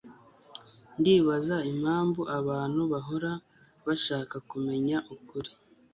Ndibaza impamvu abantu bahora bashaka kumenya ukuri